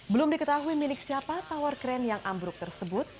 belum diketahui milik siapa tower crane yang ambruk tersebut